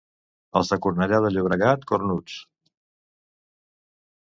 Els de Cornellà de Llobregat, cornuts.